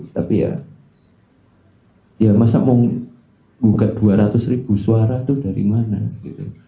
tapi ya ya masa mau buka dua ratus ribu suara itu dari mana gitu